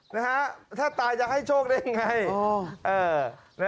นะครับถ้าตายจะให้โชคได้อย่างไร